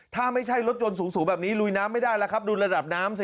ถ้าไม่ใช่รถยนต์สูงแบบนี้ลุยน้ำไม่ได้แล้วครับดูระดับน้ำสิ